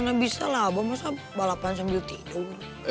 mana bisa lah abah masa balapan sambil tidur